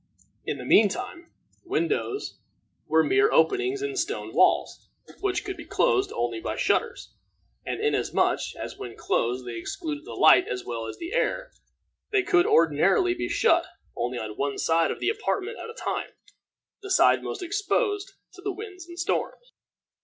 In the mean time, windows were mere openings in stone walls, which could be closed only by shutters; and inasmuch as when closed they excluded the light as well as the air, they could ordinarily be shut only on one side of the apartment at a time the side most exposed to the winds and storms.